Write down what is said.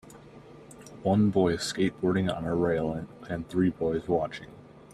One boy skateboarding on a rail and three boys watching.